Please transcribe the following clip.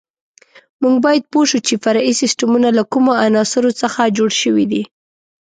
موږ باید پوه شو چې فرعي سیسټمونه له کومو عناصرو څخه جوړ شوي دي.